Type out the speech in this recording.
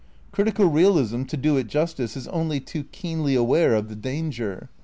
Critical realism, to do it justice, is only too keenly aware of the danger.